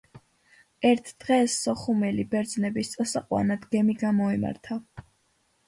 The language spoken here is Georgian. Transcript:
ერთ დღეს სოხუმელი ბერძნების წასაყვანად გემი გამოემართა.